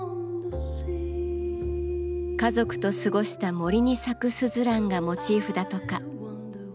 家族と過ごした森に咲くスズランがモチーフだとか。